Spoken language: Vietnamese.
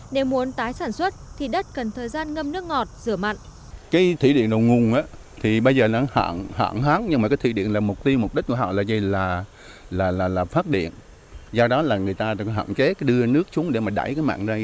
nếu muốn tái sản xuất thì đất cần thời gian ngâm nước ngọt rửa mặn